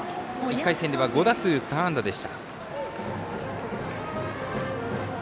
１回戦では５打数３安打でした。